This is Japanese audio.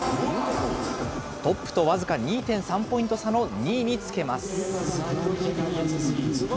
トップと僅か２．３ポイント差の２位につけます。